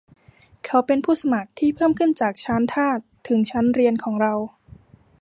เขาเป็นผู้สมัครที่เพิ่มขึ้นจากชั้นทาสถึงชั้นเรียนของเรา